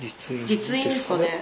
実印ですかね？